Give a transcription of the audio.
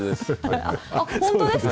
本当ですか？